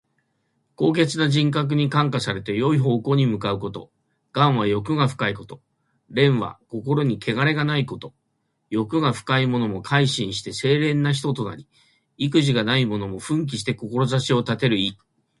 高潔な人格に感化されて、よい方向に向かうこと。「頑」は欲が深いこと。「廉」は心にけがれがないこと。欲が深いものも改心して清廉な人となり、意気地がないものも奮起して志を立てる意。